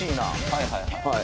はいはいはい。